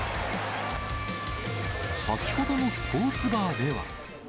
先ほどのスポーツバーでは。